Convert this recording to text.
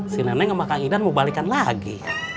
si nenek sama kang idam mau balikan lagi